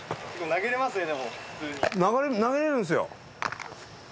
投げれるんですよ。